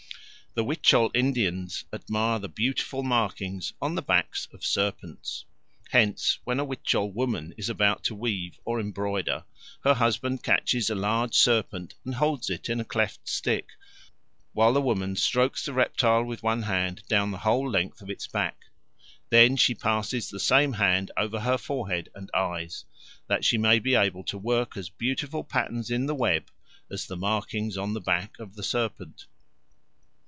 The Huichol Indians admire the beautiful markings on the backs of serpents. Hence when a Huichol woman is about to weave or embroider, her husband catches a large serpent and holds it in a cleft stick, while the woman strokes the reptile with one hand down the whole length of its back; then she passes the same hand over her forehead and eyes, that she may be able to work as beautiful patterns in the web as the markings on the back of the serpent.